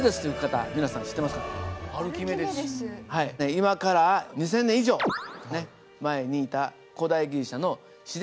今から２，０００年以上前にいた古代ギリシャの自然哲学者です。